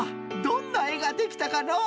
どんなえができたかのう？